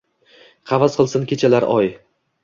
Havas qilsin kechalar oy